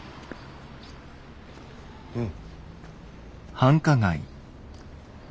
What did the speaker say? うん。